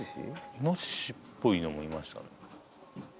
イノシシっぽいのもいましたね